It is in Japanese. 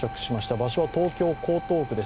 場所は東京・江東区です。